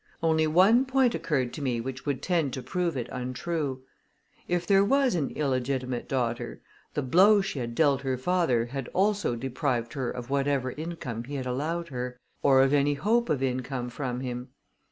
Only one point occurred to me which would tend to prove it untrue. If there was an illegitimate daughter, the blow she had dealt her father had also deprived her of whatever income he had allowed her, or of any hope of income from him.